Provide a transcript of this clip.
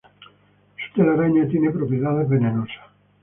Su telaraña tiene propiedades venenosas.